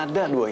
di rumah ini